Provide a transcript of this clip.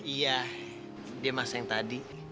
iya dia masa yang tadi